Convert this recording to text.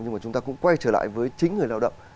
nhưng mà chúng ta cũng quay trở lại với chính người lao động